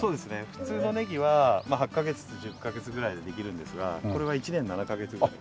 普通のネギはまあ８カ月１０カ月ぐらいでできるんですがこれは１年７カ月ぐらい。